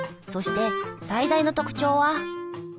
そして最大の特徴は。